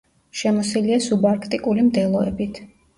შემოსილია სუბარქტიკული მდელოებით.